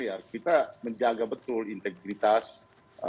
ya kita menjaga betul integritas